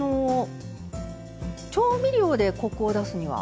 調味料でコクを出すには？